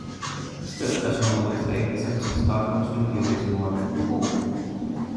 Still, as Homer would say, "The Simpsons Cartoon Studio" is more 'Woohoo!